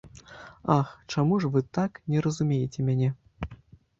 Ах, чаму ж вы так не разумееце мяне?